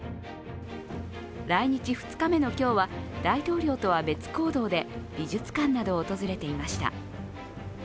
来日２日目の今日は大統領とは別行動で美術館などを訪れていました。